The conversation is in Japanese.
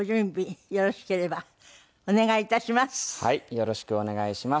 よろしくお願いします。